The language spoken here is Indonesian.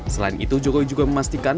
selain itu jokowi juga memastikan